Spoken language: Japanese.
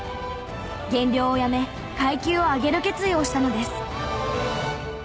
減量をやめ階級を上げる決意をしたのです。